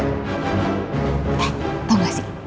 eh tau gak sih